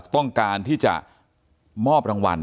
ต้องการที่จะมอบรางวัล